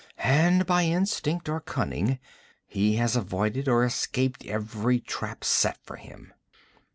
And, by instinct or cunning, he has avoided or escaped every trap set for him.'